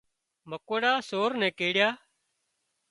مڪوڙا سور نين ڪيڙيا